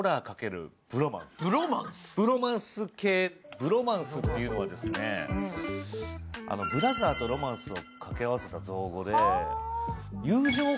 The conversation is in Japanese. ブロマンス系っていうのは、ブラザーとロマンスをかけ合わせた造語で。